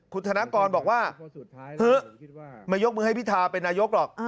คุณธนกรบอกว่าเถอะมายกมือให้พิธาเป็นนายกหรอก